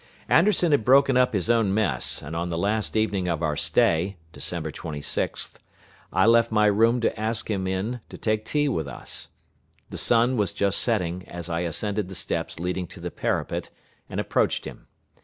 Anderson had broken up his own mess, and on the last evening of our stay (December 26th) I left my room to ask him in to take tea with us. The sun was just setting as I ascended the steps leading to the parapet and approached him.